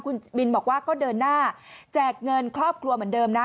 คุณบินบอกว่าก็เดินหน้าแจกเงินครอบครัวเหมือนเดิมนะ